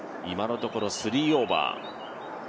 今のところ３オーバー。